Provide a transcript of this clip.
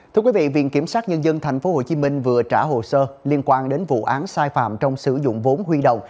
thưa quý vị viện kiểm sát nhân dân tp hcm vừa trả hồ sơ liên quan đến vụ án sai phạm trong sử dụng vốn huy động